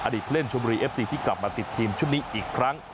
ผู้เล่นชมบุรีเอฟซีที่กลับมาติดทีมชุดนี้อีกครั้ง